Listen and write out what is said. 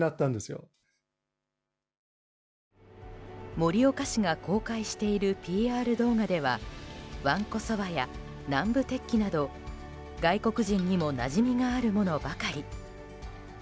盛岡市が公開しているＰＲ動画ではわんこそばや南部鉄器など外国人にもなじみがあるものばかり。